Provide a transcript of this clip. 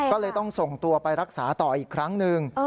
ก็เลยต้องส่งตัวไปรักษาต่ออีกครั้งหนึ่ง